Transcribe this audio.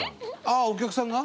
あっお客さんが？